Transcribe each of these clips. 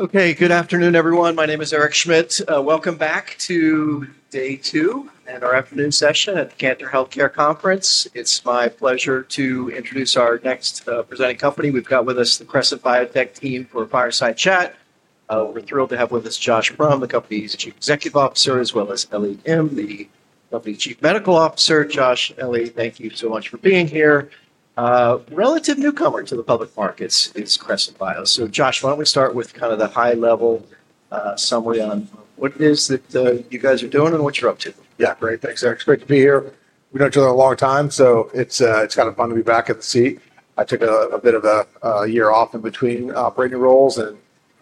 Okay, good afternoon, everyone. My name is Eric Schmidt. Welcome back to day two and our afternoon session at the Cantor Healthcare Conference. It's my pleasure to introduce our next presenting company. We've got with us the Crescent Biotech team for a fireside chat. We're thrilled to have with us Josh Brumm, the company's Chief Executive Officer, as well as Ellie Im, the company Chief Medical Officer. Josh, Ellie, thank you so much for being here. A relative newcomer to the public markets is Crescent Bio. Josh, why don't we start with kind of the high-level summary on what it is that you guys are doing and what you're up to? Yeah, great. Thanks, Eric. It's great to be here. We've been doing it a long time, so it's kind of fun to be back at the seat. I took a bit of a year off in between operating roles, and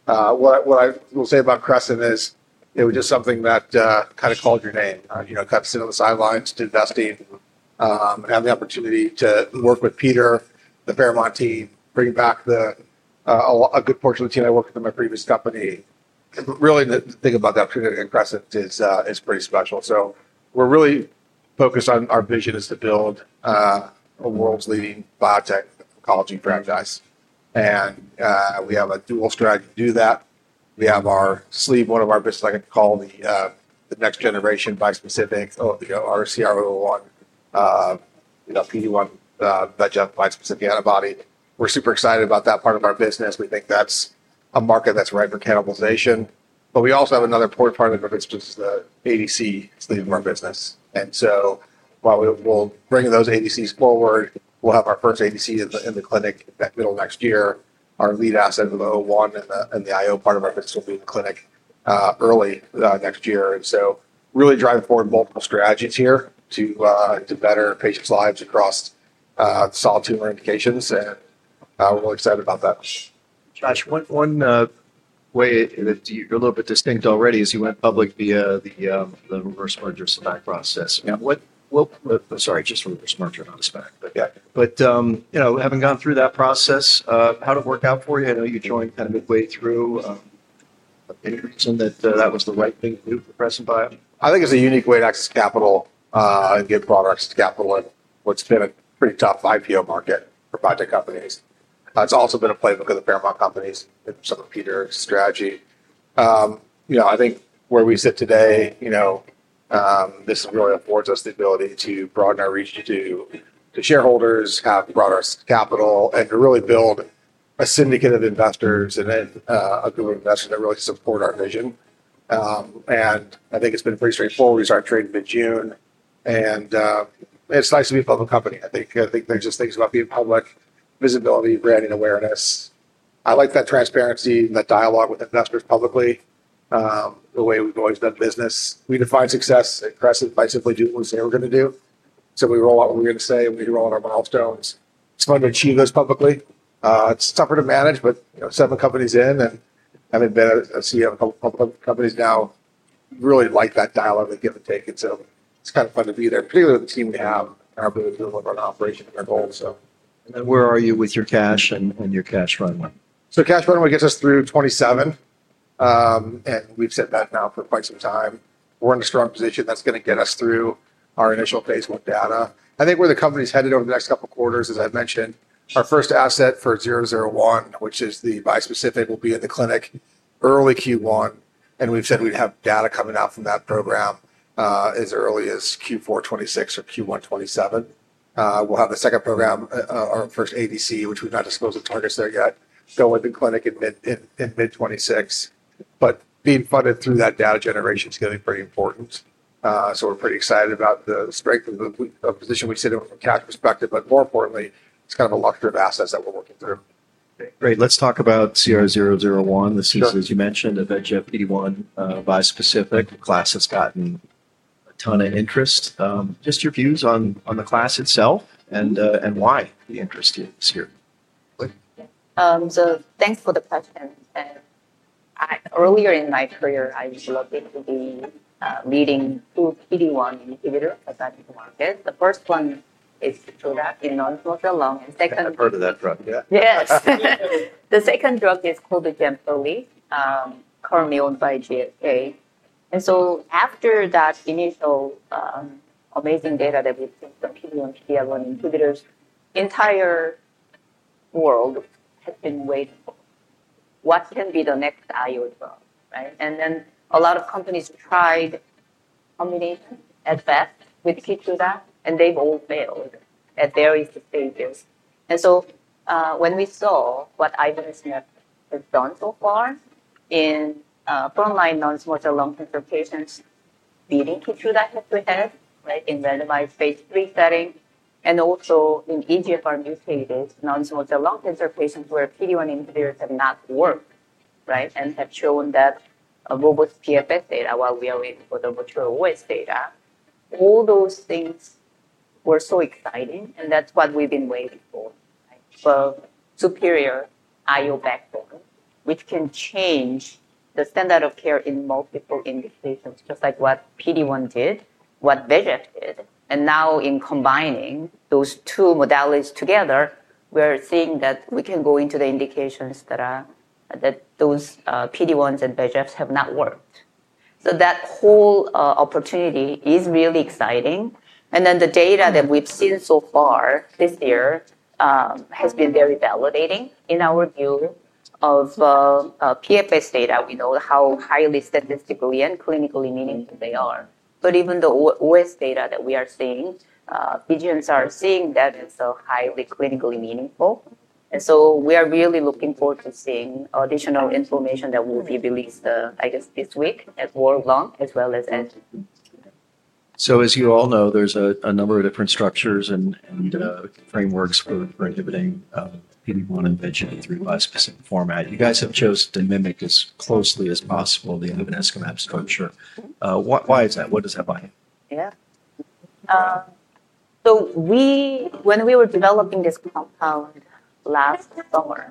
what I will say about Crescent is it was just something that kind of called your name. You know, kind of sit on the sidelines to investigate, and I had the opportunity to work with Peter, the parent of my team, bringing back a good portion of the team I worked with in my previous company. Really, the thing about the opportunity at Crescent is pretty special. We're really focused on our vision is to build a world's leading biotech oncology franchise, and we have a dual stride to do that. We have our sleeve, one of our businesses, I like to call the next generation bispecific, our CR-001, you know, VEGF/PD-1 bispecific antibody. We're super excited about that part of our business. We think that's a market that's ripe for cannibalization. We also have another important part of our business, which is the ADC sleeve of our business. While we'll bring those ADCs forward, we'll have our first ADC in the clinic that middle of next year. Our lead asset of the 01 and the IO part of our business will be in the clinic early next year. Really driving forward multiple strategies here to better patients' lives across solid tumor indications, and we're excited about that. Josh, one way that you're a little bit distinct already is you went public via the reverse merger process. Yeah. Sorry, just reverse merger, not as back, but yeah. Having gone through that process, how did it work out for you? I know you joined kind of midway through. Any reason that that was the right thing to do for Crescent Bio? I think it's a unique way to access capital and get broader access to capital, and it's been a pretty tough IPO market for biotech companies. It's also been a playbook of the paramount companies in some of Peter's strategy. I think where we sit today, this really affords us the ability to broaden our reach to shareholders, have broader capital, and to really build a syndicate of investors and then a group of investors that really support our vision. I think it's been pretty straightforward. We started trading mid-June, and it's nice to be a public company. I think there's just things about being public, visibility, branding awareness. I like that transparency and the dialogue with investors publicly, the way we've always done business. We define success at Crescent Biopharma by simply doing what we say we're going to do. Simply roll out what we're going to say, and we roll out our milestones. It's fun to achieve those publicly. It's tougher to manage, but seven companies in and having been a CEO of a couple of companies now, I really like that dialogue of give and take. It's kind of fun to be there, particularly with the team we have and our ability to run operations and their goals. Where are you with your cash and your cash runway? Cash runway gets us through 2027, and we've set that now for quite some time. We're in a strong position that's going to get us through our initial phase one data. I think where the company's headed over the next couple of quarters is, as I mentioned, our first asset for 001, which is the bispecific, will be in the clinic early Q1. We've said we'd have data coming out from that program as early as Q4 2026 or Q1 2027. We'll have the second program, our first ADC, which we've not disclosed the targets there yet, going to clinic in mid-2026. Being funded through that data generation is going to be pretty important. We're pretty excited about the strength of the position we sit in from a cash perspective, but more importantly, it's kind of a luxury of assets that we're working through. Great. Let's talk about CR-001. This is, as you mentioned, a VEGF/PD-1 bispecific. The class has gotten a ton of interest. Just your views on the class itself and why the interest is here. Thank you for the question. Earlier in my career, I was lucky to be leading two PD-1 inhibitors to that market. The first one is surufatinib in non-small cell lung and second. I haven't heard of that drug yet. Yes. The second drug is called the [GemFolly], currently owned by [GLK]. After that initial amazing data that we've seen from PD-1 and PD-L1 inhibitors, the entire world has been waiting for what's going to be the next IO drug. A lot of companies tried combination at best with Keytruda, and they've all failed at various stages. When we saw what ivonescimab has done so far in frontline non-small cell lung cancer patients, leading Keytruda head-to-head in randomized phase III setting, and also in EGFR-mutant non-small cell lung cancer patients where PD-1 inhibitors have not worked, and have shown that robust PFS data, while we are waiting for the mature OS data, all those things were so exciting. That's what we've been waiting for, for superior IO backbone, which can change the standard of care in multiple indications, just like what PD-1 did, what VEGF did. Now, in combining those two modalities together, we're seeing that we can go into the indications that those PD-1s and VEGFs have not worked. That whole opportunity is really exciting. The data that we've seen so far this year has been very validating in our view of PFS data. We know how highly statistically and clinically meaningful they are. Even the OS data that we are seeing, PGMs are seeing, that is so highly clinically meaningful. We are really looking forward to seeing additional information that will be released, I guess, this week at World Lung as well as at. As you all know, there's a number of different structures and frameworks for inhibiting PD-1 and VEGF in a bispecific format. You guys have chosen to mimic as closely as possible the ivonescimab structure. Why is that? What does that mean? Yeah. When we were developing this compound last summer,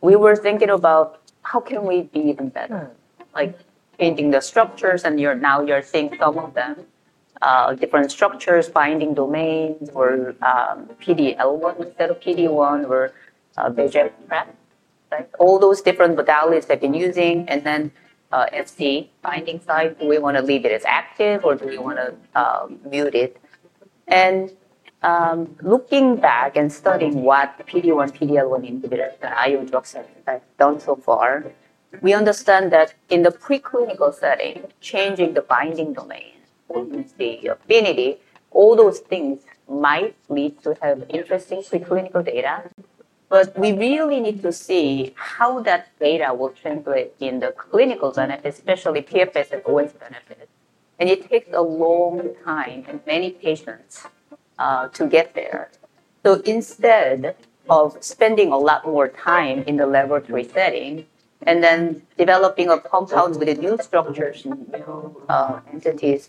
we were thinking about how can we be even better, like changing the structures. Now you're seeing some of them, different structures, binding domains, or PD-L1 instead of PD-1, or VEGF prep. All those different modalities have been using. Then FC, binding site, do we want to leave it as active or do we want to mute it? Looking back and studying what PD-1, PD-L1 inhibitors, the IO drugs have done so far, we understand that in the preclinical setting, changing the binding domain, the affinity, all those things might lead to have interesting preclinical data. We really need to see how that data will translate in the clinical benefit, especially PFS and ONC benefits. It takes a long time and many patients to get there. Instead of spending a lot more time in the laboratory setting and then developing a compound with the new structures and new entities,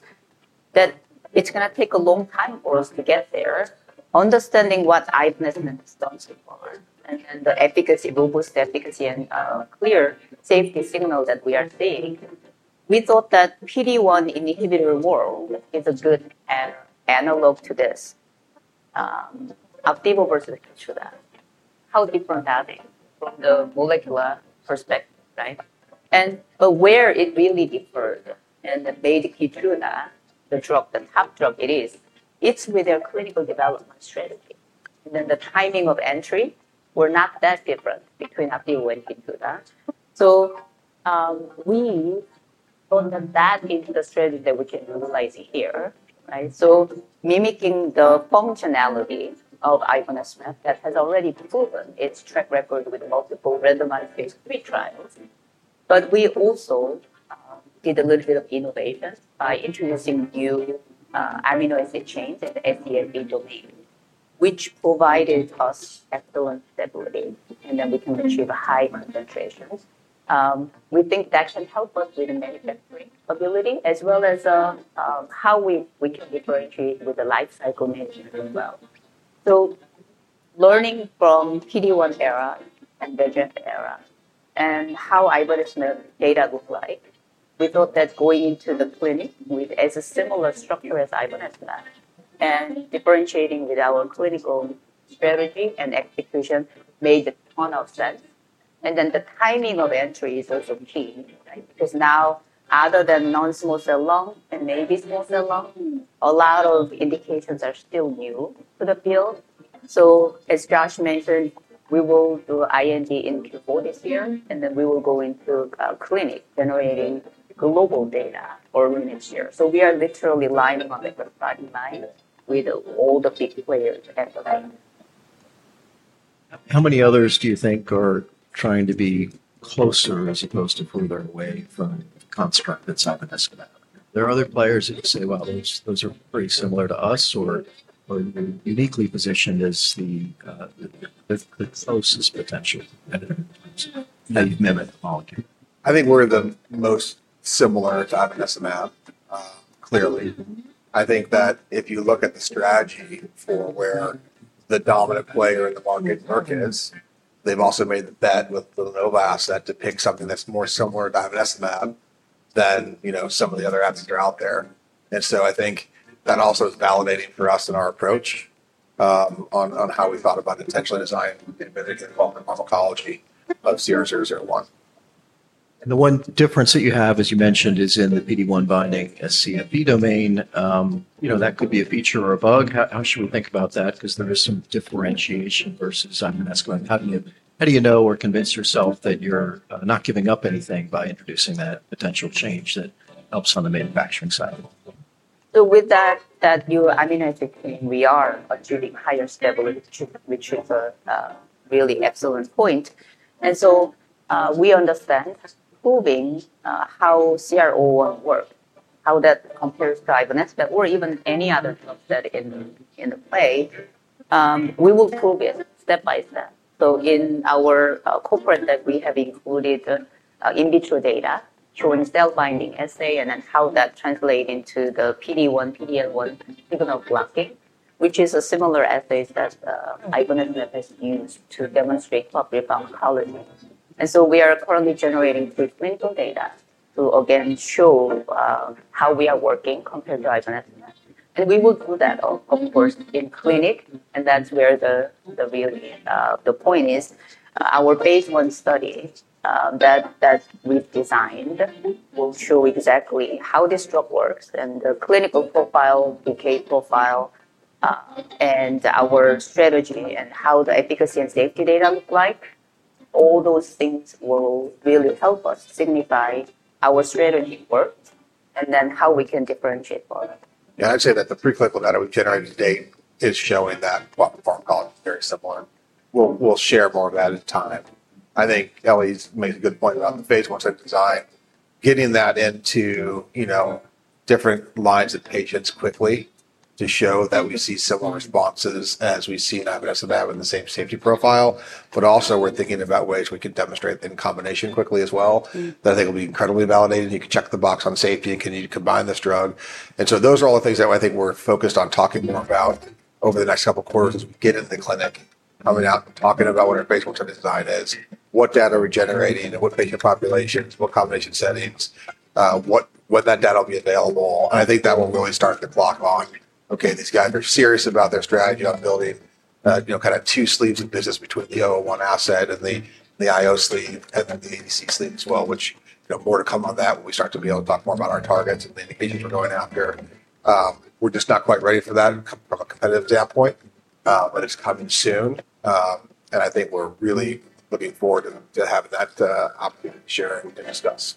it's going to take a long time for us to get there. Understanding what ivonescimab has done so far and then the efficacy, robust efficacy, and clear safety signal that we are seeing, we thought that PD-1 inhibitor world is a good analog to this, Opdivo versus Keytruda. How different are they? The molecular perspective, right? Where it really differed and made Keytruda, the drug, the top drug it is, it's with their clinical development strategy. The timing of entry were not that different between Opdivo and Keytruda. We brought them back into the strategy that we can utilize here, right? Mimicking the functionality of ivonescimab that has already proven its track record with multiple randomized phase 3 trials. We also did a little bit of innovation by introducing new amino acid chains at the FDA's indole, which provided us excellent stability. We can achieve high concentrations. We think that should help us with manufacturing ability as well as how we can differentiate with the lifecycle management as well. Learning from PD-1 era and VEGF era and how ivonescimab data looked like, we thought that going into the clinic with a similar structure as ivonescimab and differentiating with our clinical strategy and expectation made a ton of sense. The timing of entry is also key, right? Because now, other than non-small cell lung and maybe small cell lung, a lot of indications are still new to the field. As Josh mentioned, we will do IND in Q4 this year, and then we will go into clinic generating global data early next year. We are literally lining up like a fine line with all the big players at the moment. How many others do you think are trying to be closer as opposed to further away from the construct that's ivonescimab? There are other players that say those are pretty similar to us or uniquely positioned as the closest potential to mimic oncology. I think we're the most similar to ivonescimab, clearly. I think that if you look at the strategy for where the dominant player in the market work is, they've also made the bet with the [Novas] that depicts something that's more similar to ivonescimab than, you know, some of the other apps that are out there. I think that also is validating for us in our approach on how we thought about potentially designing inhibitors that involve the oncology of CR-001. The one difference that you have, as you mentioned, is in the PD-1 binding SCFP domain. You know, that could be a feature or a bug. How should we think about that? Because there is some differentiation versus ivonescimab. How do you know or convince yourself that you're not giving up anything by introducing that potential change that helps on the manufacturing side? With that new amino acid chain, we are achieving higher stability, which is a really excellent point. We understand, as proving how CR-001 works, how that compares to ivonescimab or even any other drug that's in the play, we will prove it step by step. In our corporate deck, we have included in vitro data showing cell binding assay and then how that translates into the PD-1, PD-L1 signal blocking, which is a similar assay that ivonescimab has used to demonstrate proprio functionality. We are currently generating preclinical data to again show how we are working compared to ivonescimab. We will do that all enforced in clinic. That's where the point is. Our phase I study that we've designed will show exactly how this drug works and the clinical profile, BK profile, and our strategy and how the efficacy and safety data look like. All those things will really help us signify our strategy works and then how we can differentiate for it. Yeah, I'd say that the preclinical data we're generating today is showing that pharmacology is very similar. We'll share more of that in time. I think Ellie's made a good point about the phase one set design, getting that into different lines of patients quickly to show that we see similar responses as we see ivonescimab in the same safety profile. We're thinking about ways we can demonstrate in combination quickly as well. I think that will be incredibly validated. You can check the box on safety. Can you combine this drug? Those are all the things that I think we're focused on talking more about over the next couple of quarters as we get into the clinic, coming out, talking about what our phase one set design is, what data we're generating, what patient populations, what combination settings, when that data will be available. I think that will really start to block on, okay, these guys, they're serious about their strategy on building kind of two sleeves of business between the 01 asset and the IO sleeve and then the ADC sleeve as well, which, more to come on that when we start to be able to talk more about our targets and the indications we're going after. We're just not quite ready for that from a competitive standpoint, but it's coming soon. I think we're really looking forward to having that opportunity to share and discuss.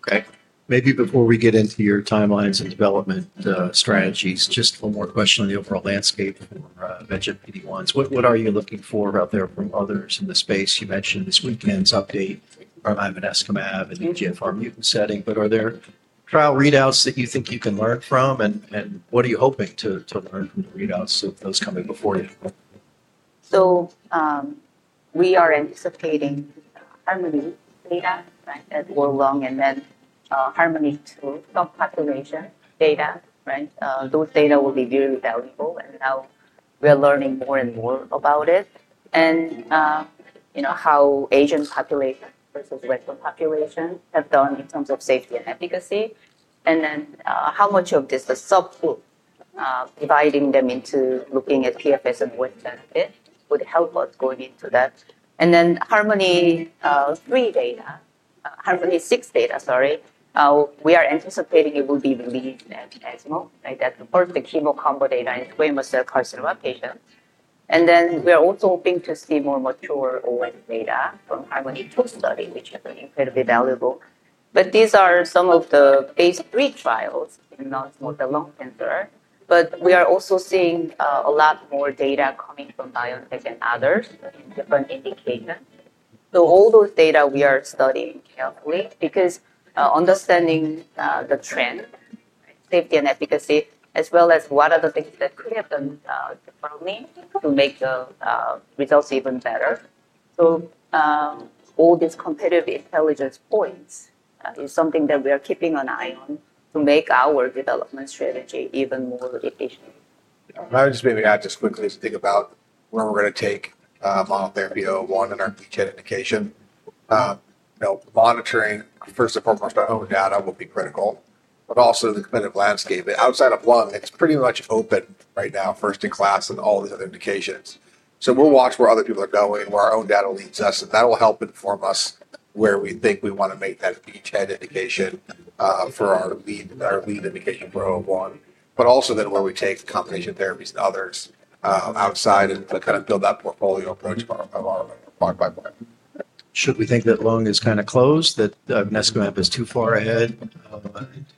Okay. Maybe before we get into your timelines and development strategies, just one more question on the overall landscape for VEGF/PD-1. What are you looking for out there from others in the space? You mentioned this weekend's update from ivonescimab in the EGFR-mutant setting, but are there trial readouts that you think you can learn from? What are you hoping to learn from the readouts of those coming before you? We are anticipating HARMONi data at World Lung and then HARMONi to the population data. Those data will be really valuable. Now we're learning more and more about it, and how Asian populations versus Western populations have done in terms of safety and efficacy. Also, how much of this, the subgroup, dividing them into looking at PFS and WASD benefits would help us going into that. HARMONi-3 data, HARMONi-6 data, we are anticipating it will be released at ESMO. That's the part of the chemo combo data in squamous cell carcinoma patients. We're also hoping to see more mature ONC data from HARMONi-2 study, which is incredibly valuable. These are some of the phase 3 trials in non-small cell lung cancer. We are also seeing a lot more data coming from BioNTech and others in different indications. All those data we are studying carefully because understanding the trend, safety and efficacy, as well as what are the things that could have been determined to make the results even better. All these competitive intelligence points are something that we are keeping an eye on to make our development strategy even more efficient. I would just maybe add just quickly to think about where we're going to take monotherapy, 001, and our B10 indication. Monitoring, first and foremost, our own data will be critical, but also the clinic landscape. Outside of lung, it's pretty much open right now, first in class and all these other indications. We'll watch where other people are going, where our own data leads us, and that will help inform us where we think we want to make that B10 indication for our lead indication for 001. Also, where we take combination therapies and others outside and kind of build that portfolio approach along by 001. Should we think that lung is kind of closed, that ivonescimab is too far ahead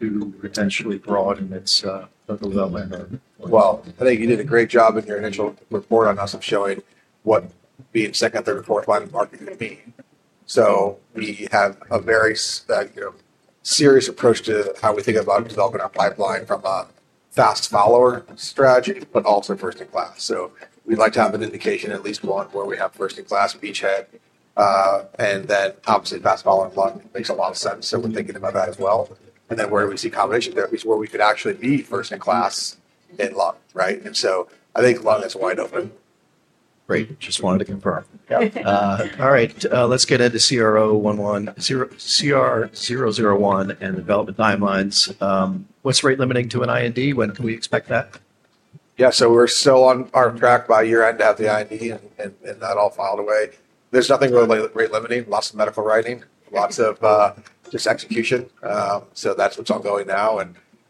to potentially broaden its development? I think you did a great job in your initial report on us of showing what being second, third, and fourth line of market mean. We have a very serious approach to how we think about developing our pipeline from a fast follower strategy, but also first in class. We'd like to have an indication at least one where we have first in class beachhead. Obviously, fast follower in lung makes a lot of sense. We're thinking about that as well. Where we see combination therapies where we could actually be first in class in lung. I think lung is wide open. Great. Just wanted to confirm. Yeah. All right. Let's get into CR-001 and development timelines. What's rate limiting to an IND? When can we expect that? Yeah, we're still on our track by year end to have the IND and that all filed away. There's nothing really rate limiting. Lots of medical writing, lots of just execution. That's what's ongoing now. I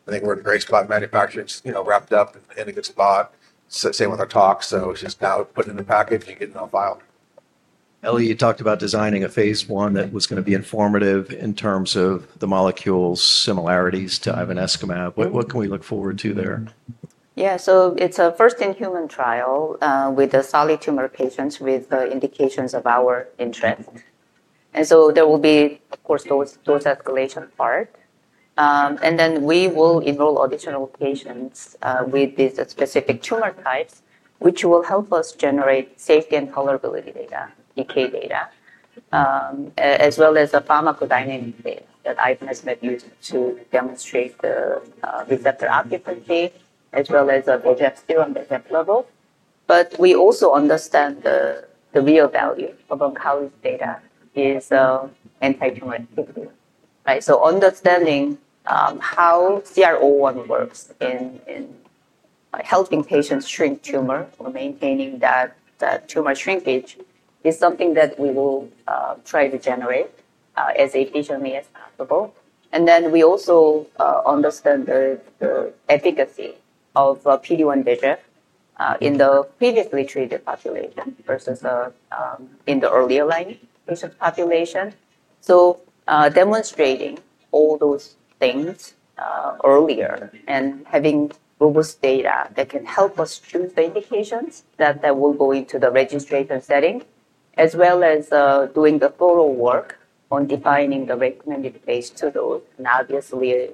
think we're in a great spot. Manufacturing, you know, wrapped up in a good spot. Same with our tox. It's just now put in the package and getting it all filed. Ellie, you talked about designing a phase one that was going to be informative in terms of the molecules' similarities to ivonescimab. What can we look forward to there? Yeah, so it's a first-in-human trial with solid tumor patients with the indications of our interest. There will be, of course, those escalation parts. We will enroll additional patients with these specific tumor types, which will help us generate safety and tolerability data, PK data, as well as pharmacodynamic data that ivonescimab used to demonstrate the receptor efficacy, as well as a VEGF serum VEGF level. We also understand the real value of oncology data is anti-tumor activity, right? Understanding how CR-001 works in helping patients shrink tumor or maintaining that tumor shrinkage is something that we will try to generate as efficiently as possible. We also understand the efficacy of PD-1 VEGF in the previously treated population versus in the earlier line patient population. Demonstrating all those things earlier and having robust data that can help us choose the indications that will go into the registration setting, as well as doing the thorough work on defining the recommended phase II dose, and obviously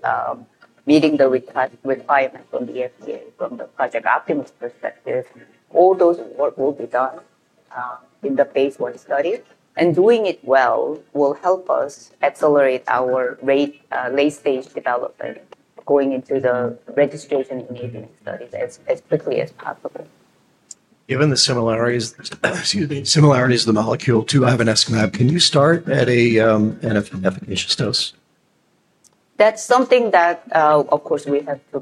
meeting the requirements from the FDA from the Project Optimus perspective. All those work will be done in the phase I study. Doing it well will help us accelerate our late-stage development going into the registration enabling studies as quickly as possible. Given the similarities of the molecule to ivonescimab, can you start at an efficacious dose? That's something that, of course, we have to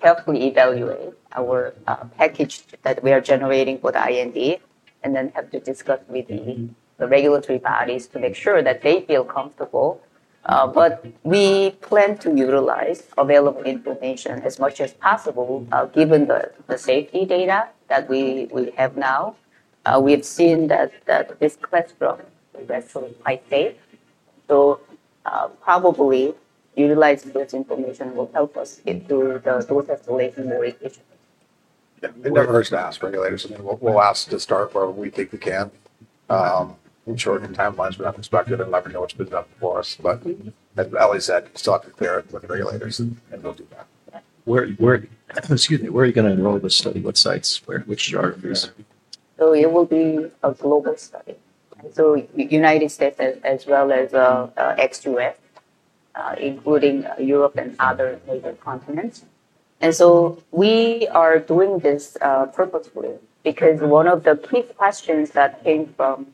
carefully evaluate, our package that we are generating for the IND, and then have to discuss with the regulatory bodies to make sure that they feel comfortable. We plan to utilize available information as much as possible, given the safety data that we have now. We've seen that this class drug is actually quite safe. Probably utilizing those information will help us into the dose escalation more efficiently. It never hurts to ask regulators again. We'll ask to start where we take the can, shorten timelines from that perspective, and let them know what's good enough for us. As Ellie said, start to be fair with the regulators and we'll do that. Excuse me, where are you going to enroll this study? What sites? Which geographies? It will be a global study. The United States, as well as ex-U.S., including Europe and other major continents, will be included. We are doing this purposefully because one of the key questions that came from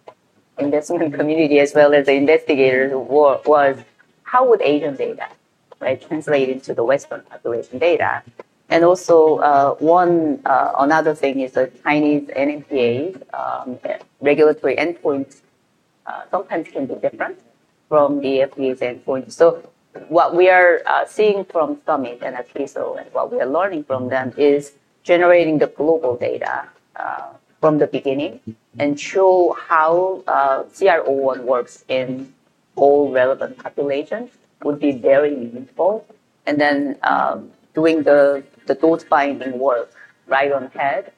the investment community, as well as the investigators, was how would Asian data translate into the Western population data? Another thing is the Chinese NMPA regulatory endpoints sometimes can be different from the FDA's endpoint. What we are seeing from Summit and at CRISP, and what we are learning from them, is generating the global data from the beginning and showing how CR-001 works in all relevant populations would be very useful. Doing the dose finding work right on head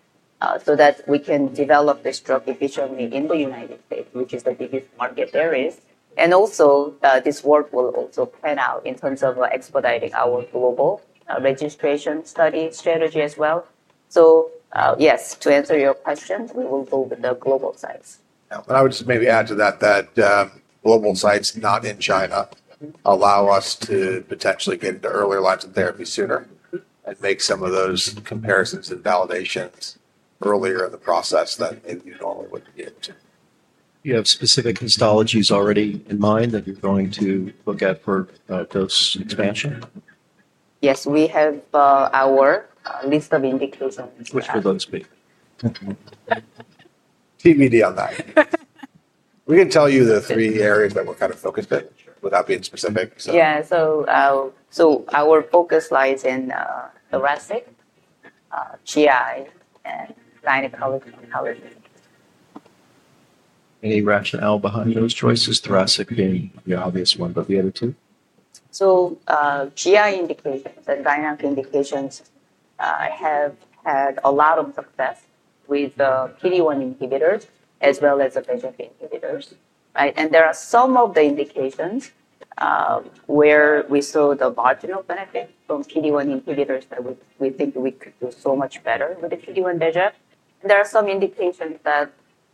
so that we can develop this drug efficiently in the United States, which is the biggest market there is, is also important. This work will also plan out in terms of expediting our global registration study strategy as well. Yes, to answer your questions, we will go with the global sites. I would just maybe add to that that global sites not in China allow us to potentially get into earlier lines of therapy sooner and make some of those comparisons and validations earlier in the process that maybe you normally wouldn't get into. You have specific histologies already in mind that you're going to look at for dose expansion? Yes, we have our list of indicators. Which would those be? TBD on that.. We can tell you the three areas that we're kind of focused in, without being specific. Yeah, so our focus lies in thoracic, GI, and gynecology. Any rationale behind those choices? Thoracic being the obvious one, but the other two? GI indicates that gyne indications have had a lot of success with the PD-1 inhibitors as well as the VEGF inhibitors. There are some of the indications where we saw the marginal benefit from PD-1 inhibitors that we think we could do so much better with the PD-1 VEGF. There are some indications that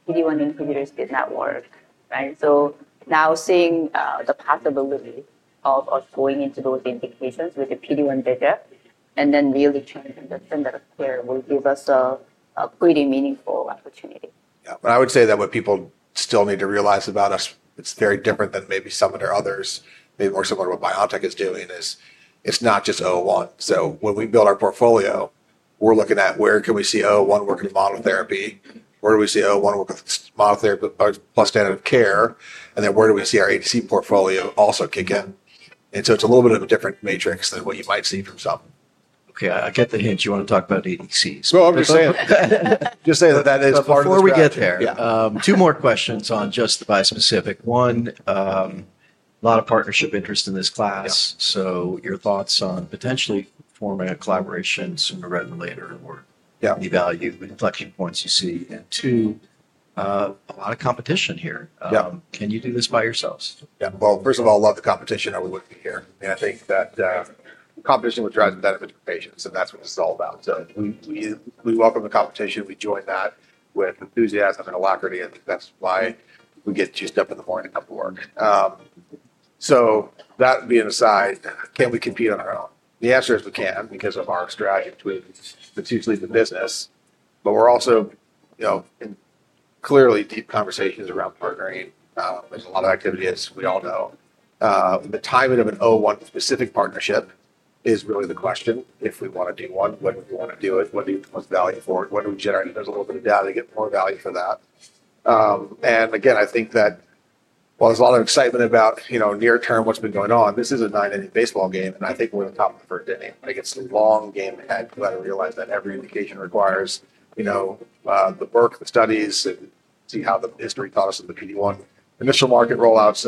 PD-1 inhibitors did not work, and now seeing the possibility of going into those indications with the PD-1 VEGF and then really trying to understand that square will give us a pretty meaningful opportunity. I would say that what people still need to realize about us, it's very different than maybe some of the others, maybe more similar to what BioNTech is doing, is it's not just 001. When we build our portfolio, we're looking at where can we see 001 working with monotherapy, where do we see 001 working with monotherapy plus standard of care, and then where do we see our ADC portfolio also kick in. It's a little bit of a different matrix than what you might see from some. Okay, I get the hint you want to talk about ADC. I'm just saying. Just say that is part of the story. Before we get there, two more questions on just the bispecific. One, a lot of partnership interest in this class. Your thoughts on potentially forming a collaboration sooner rather than later or any value inflection points you see? Two, a lot of competition here. Can you do this by yourselves? Yeah. First of all, I love the competition or we wouldn't be here. I mean, I think that competition would drive the benefit to the patient. That's what this is all about. We welcome the competition. We join that with enthusiasm and alacrity. That's why we get juiced up in the morning and up to work. That being aside, can we compete on our own? The answer is we can because of our strategy between the two sleeves of business. We're also, you know, clearly deep conversations around partnering. There's a lot of activity, as we all know. The timing of a 001 specific partnership is really the question. If we want to do one, what do we want to do with? What do you have the most value for? What do we generate? There's a little bit of data to get more value for that. I think that while there's a lot of excitement about, you know, near term what's been going on, this is a nine-inning baseball game. I think we're at the top of the first inning. It's the long game ahead. We've got to realize that every indication requires, you know, the work, the studies, and see how the history taught us in the PD-1 initial market rollout.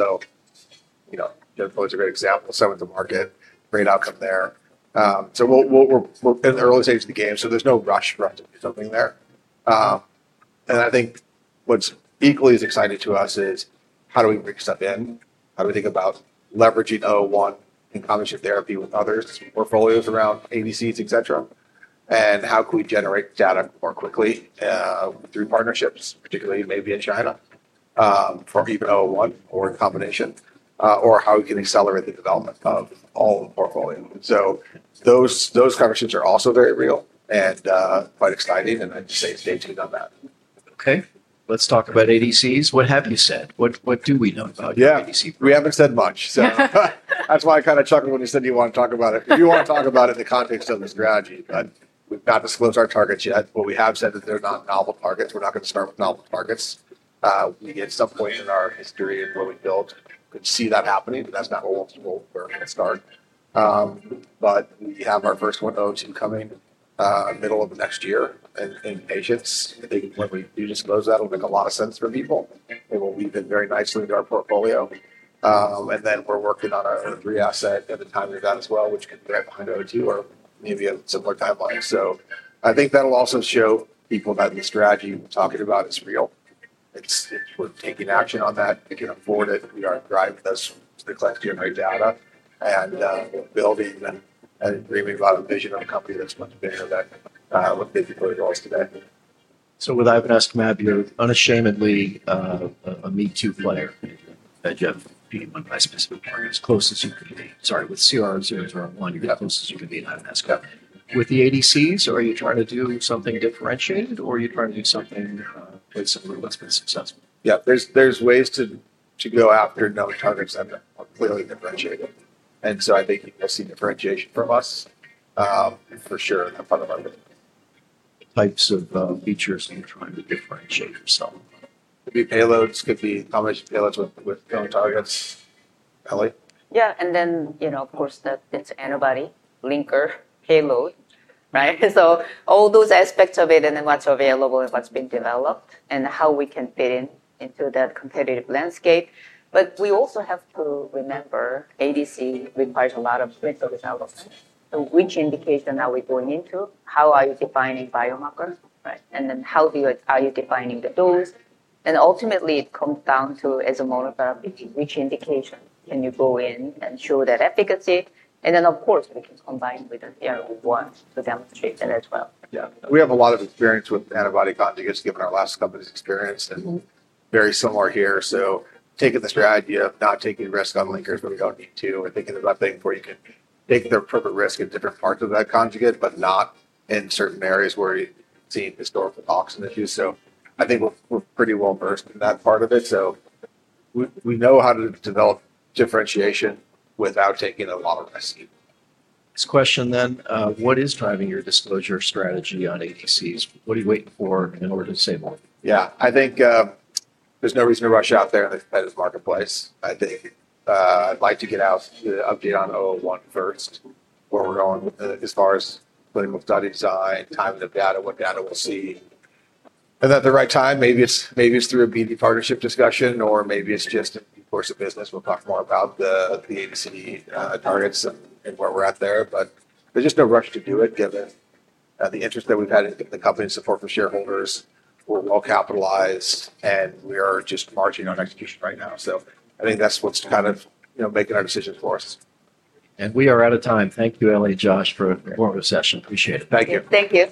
Joe Floyd's a great example. Some of the market, great outcome there. We're in the early stages of the game. There's no rush for us to do something there. I think what's equally as exciting to us is how do we reach that end? How do we think about leveraging 001 in combination therapy with others' portfolios around ADCs, et cetera? How can we generate data more quickly through partnerships, particularly maybe in China for even 001 or a combination? Or how we can accelerate the development of all the portfolio. Those conversations are also very real and quite exciting. I'd just say stay tuned on that. Okay. Let's talk about ADCs. What have you said? What do we know about ADCs? Yeah, we haven't said much. That's why I kind of chuckled when you said you want to talk about it. If you want to talk about it in the context of the strategy, we've not disclosed our targets yet. What we have said is that they're not novel targets. We're not going to start with novel targets. At some point in our history and what we built, we could see that happening, but that's not where we're going to start. We have our first one, 002, coming middle of the next year in patients. I think when we do disclose that, it'll make a lot of sense for people. We've been very nice to our portfolio. We're working on a three-asset at the time of that as well, which could be right behind 002 or maybe a similar timeline. I think that'll also show people that the strategy we're talking about is real. It's taking action on that, picking up for it, drive us to the clinics, generate data, and building, and we move out of the vision of the company that's much bigger than what basically it was today. With ivonescimab, you're unashamedly a me-too player at [Geneva], being one of the bispecifics. As close as you could be, sorry, with CR-001, you're as close as you could be to ivonescimab. With the ADCs, are you trying to do something differentiated or are you trying to do something quite similar? What's been successful? Yeah, there are ways to go after known targets that are clearly differentiated. I think you will see differentiation from us for sure. That is part of our types of features that you are trying to differentiate yourself. Could be payloads, could be combination payloads with known targets. Ellie? Yeah, and then, you know, of course, that it's antibody, linker, payload, right? All those aspects of it and then what's available and what's been developed and how we can fit in into that competitive landscape. We also have to remember ADC requires a lot of clinical development. Which indication are we going into? How are you defining biomarkers? How are you defining the dose? Ultimately, it comes down to, as a monograph, which indication can you go in and show that efficacy? Of course, we can combine with a CR-001 to demonstrate that as well. Yeah, we have a lot of experience with antibody conjugates, given our last company's experience, and very similar here. Taking the strategy of not taking risk on linkers when you don't need to, or thinking about things where you can take the appropriate risk in different parts of that conjugate, but not in certain areas where you've seen historical toxin issues. I think we're pretty well versed in that part of it. We know how to develop differentiation without taking a lot of risk. Next question, what is driving your disclosure of strategy on ADCs? What are you waiting for in order to say more? Yeah, I think there's no reason to rush out there in the competitive marketplace. I think I'd like to get out the update on 001 first, where we're going as far as clinical study design, timing of data, what data we'll see. At the right time, maybe it's through a BD partnership discussion, or maybe it's just a course of business. We'll talk more about the ADC targets and where we're at there. There's just no rush to do it, given the interest that we've had in the company's support from shareholders. We're well capitalized, and we are just marching on execution right now. I think that's what's kind of making our decisions for us. We are out of time. Thank you, Ellie, Josh, for a formative session. Appreciate it. Thank you. Thank you.